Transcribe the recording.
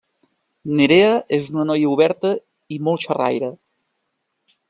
Nerea és una noia oberta i molt xerraire.